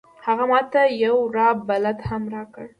هغه ما ته یو راه بلد هم راکړ.